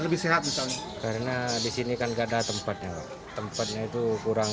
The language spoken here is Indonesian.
lebih sehat misalnya karena di sini kan gak ada tempatnya tempatnya itu kurang